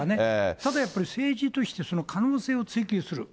ただやっぱり、政治としてその可能性を追求する。